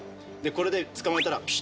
これで捕まえたらピシ！